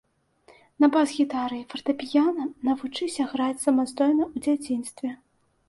На бас-гітары і фартэпіяна навучыся граць самастойна ў дзяцінстве.